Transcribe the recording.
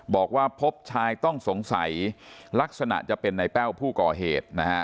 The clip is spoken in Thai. บอกว่าพบชายต้องสงสัยลักษณะจะเป็นในแป้วผู้ก่อเหตุนะฮะ